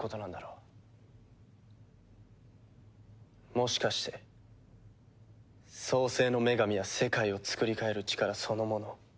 もしかして創世の女神は世界をつくり変える力そのもの。